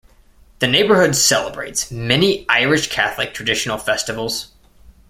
The neighborhood celebrates many Irish Catholic traditional festivals.